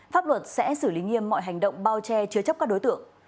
pháp luật sẽ xử lý nghiêm mọi hành động bao che chứa chấp các đối tượng